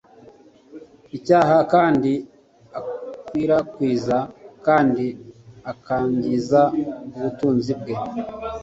ucyaha kandi akwirakwiza kandi akangiza ubutunzi bwe